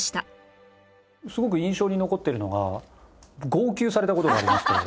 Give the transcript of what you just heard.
すごく印象に残ってるのが号泣された事がありまして。